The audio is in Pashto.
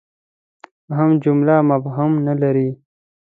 هم جمله مفهوم نه لري.